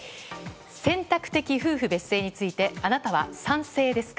選択的夫婦別姓についてあなたは賛成ですか。